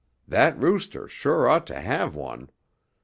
That rooster sure ought to have one.